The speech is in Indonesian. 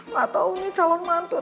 gak tau nih calon mantut